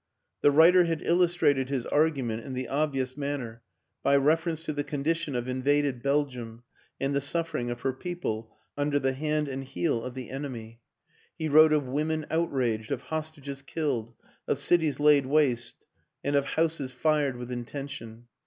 The writer had illustrated his argument in the obvious manner, by reference to the condition of invaded Belgium and the suffering of her peo ple under the hand and heel of the enemy; he wrote of women outraged, of hostages killed, of cities laid waste, and of houses fired with inten tion.